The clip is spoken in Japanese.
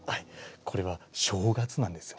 これは「正月」なんですよ。